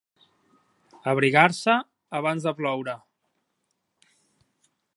Abrigar-se abans de ploure.